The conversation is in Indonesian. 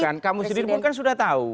kan kamu sendiri pun kan sudah tahu